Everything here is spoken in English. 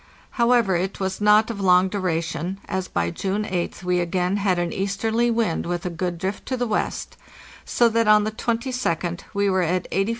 However, it was not of long dura tion, as by June 8th we again had an easterly wind with a good drift to the west, so that on the 22d we were at 84° 31.